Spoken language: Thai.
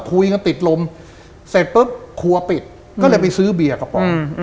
คุยกันติดลมเสร็จปุ๊บครัวปิดก็เลยไปซื้อเบียร์กระป๋อง